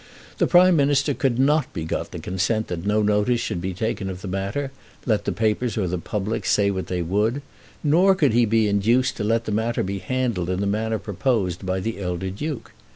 The Prime Minister could not be got to consent that no notice should be taken of the matter, let the papers or the public say what they would, nor could he be induced to let the matter be handled in the manner proposed by the elder Duke.